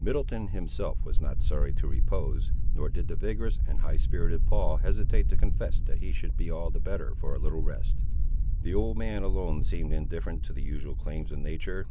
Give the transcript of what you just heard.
Middleton himself was not sorry to repose, nor did the vigorous and high spirited Paul hesitate to confess that he should be all the better for a little rest. The old man alone seemed indifferent to the usual claims of nature.